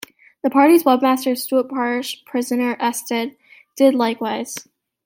The party's webmaster, Stuart "Parish Poisoner" Estell did likewise.